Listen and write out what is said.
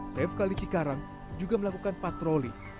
safe kali cikarang juga melakukan patroli